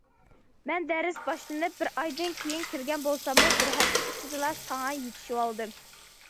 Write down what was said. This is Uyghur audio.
مەن دەرس باشلىنىپ بىر ئايدىن كېيىن كىرگەن بولساممۇ، بىر ھەپتە ئىچىدىلا ساڭا يېتىشىۋالدىم.